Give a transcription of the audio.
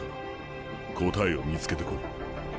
答えを見つけてこい。